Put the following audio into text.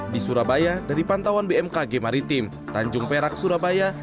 di surabaya dari pantauan bmkg maritim tanjung perak surabaya